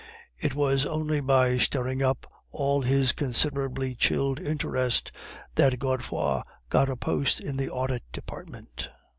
It was only by stirring up all his considerably chilled interest that Godefroid got a post in the audit department.